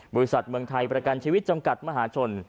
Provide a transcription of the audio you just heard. บริษัทเมืองไทยประกันชีวิตจำกัดมหาชน